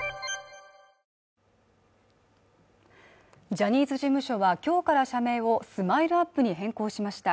ジャニーズ事務所はきょうから社名をＳＭＩＬＥ−ＵＰ．に変更しました